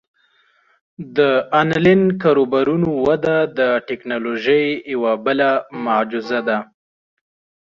د آنلاین کاروبارونو وده د ټیکنالوژۍ یوه بله معجزه ده.